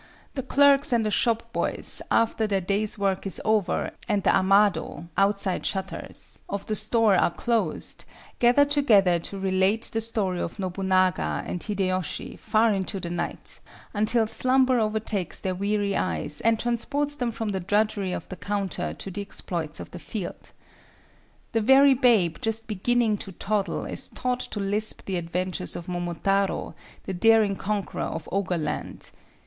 The clerks and the shop boys, after their day's work is over and the amado of the store are closed, gather together to relate the story of Nobunaga and Hidéyoshi far into the night, until slumber overtakes their weary eyes and transports them from the drudgery of the counter to the exploits of the field. The very babe just beginning to toddle is taught to lisp the adventures of Momotaro, the daring conqueror of ogre land.